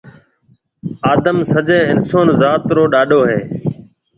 آدم سجَي اِنسون ذات رو ڏاڏو هيَ۔